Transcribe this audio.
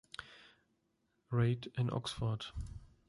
Reid in Oxford.